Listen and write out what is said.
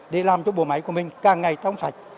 để làm cho bộ máy của mình càng ngày trong sạch